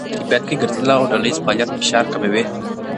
په طبیعت کې ګرځېدل او ډلهییز فعالیت فشار کموي.